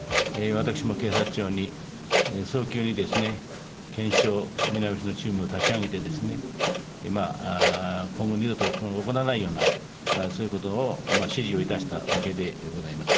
私も警察庁に早急にですね、検証・見直しのチームを立ち上げてですね、今後、二度と起こらないような、そういうことを指示をいたしたわけでございます。